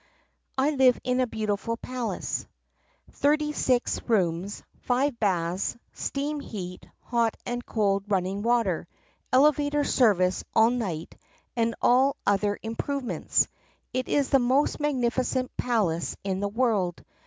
I live in a beautiful palace — thirty six rooms, five baths, steam heat, hot and cold running water, ele vator service all night, and all other improvements. It is the most magnificent palace in the world.